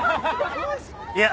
いや。